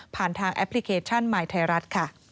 ผ่านทางแอปพลิเคชันหมายไทยรัฐ